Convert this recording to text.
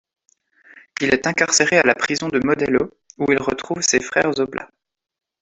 Il est incarcéré à la prison de Modelo, où il retrouve ses frères oblats.